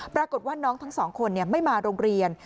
ปรากฏว่าน้องทั้งสองคนไม่มาโรงเรียน